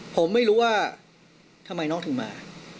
ผมไม่รู้ว่าทำไมน้องถึงมา